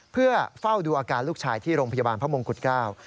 เพื่อเฝ้าดูอาการลูกชายที่โรงพยาบาลพระมงกุฎเกล้า